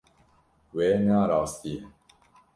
We nearastiye.